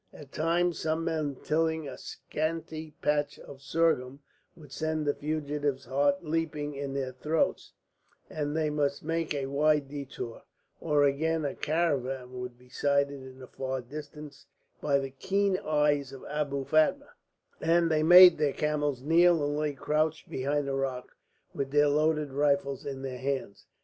At times, some men tilling a scanty patch of sorghum would send the fugitives' hearts leaping in their throats, and they must make a wide detour; or again a caravan would be sighted in the far distance by the keen eyes of Abou Fatma, and they made their camels kneel and lay crouched behind a rock, with their loaded rifles in their hands.